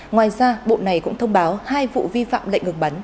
ngoài ra bộ này cũng thông báo hai vụ vi phạm lệnh ngừng bắn